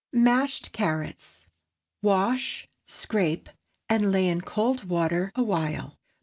MASHED CARROTS. Wash, scrape, and lay in cold water a while.